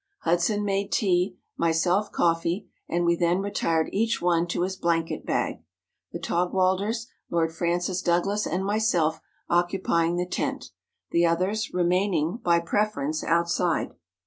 Hudson made tea, myself coffee, and we then re¬ tired each one to his blanket bag; the Taugwalders, Lord Francis Douglas, and myself, occupying the tent, the others remaining, by preference, outside.